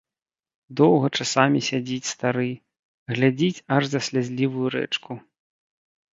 Доўга часамі сядзіць стары, глядзіць аж за слязлівую рэчку.